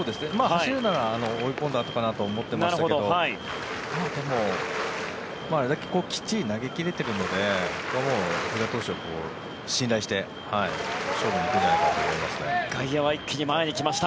走るなら追い込んだあとだと思ってましたけどでも、あれだけきっちり投げ切れているのでここは比嘉投手を信頼して勝負に行くんじゃないかと思います。